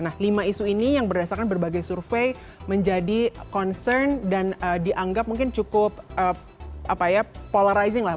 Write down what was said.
nah lima isu ini yang berdasarkan berbagai survei menjadi concern dan dianggap mungkin cukup polarizing lah